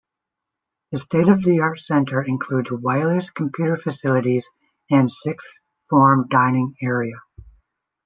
The state-of-the-art centre includes wireless computer facilities and a Sixth Form dining area.